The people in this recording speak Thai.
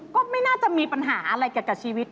ก็ไม่น่าจะมีปัญหาอะไรเกี่ยวกับชีวิต